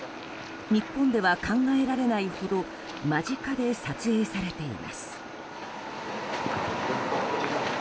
日本では考えられないほど間近で撮影されています。